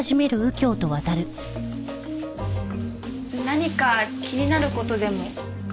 何か気になる事でも？